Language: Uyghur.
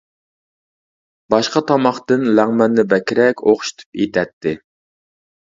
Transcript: باشقا تاماقتىن لەڭمەننى بەكرەك ئوخشىتىپ ئېتەتتى.